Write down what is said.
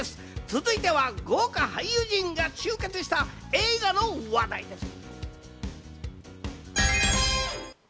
続いては豪華俳優陣が集結した映画の話題です。